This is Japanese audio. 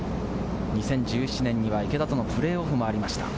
２０１７年は池田とのプレーオフもありました。